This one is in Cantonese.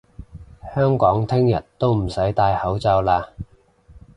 香港聽日都唔使戴口罩嘞！